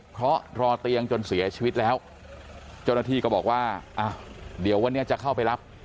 เพราะรอเตียงจนเสียชีวิตแล้วเจ้าหน้าที่ก็บอกว่าอ่ะเดี๋ยววันนี้จะเข้าไปรับ